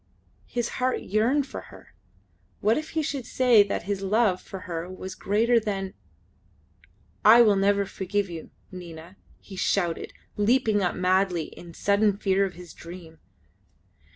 His heart yearned for her. What if he should say that his love for her was greater than ... "I will never forgive you, Nina!" he shouted, leaping up madly in the sudden fear of his dream.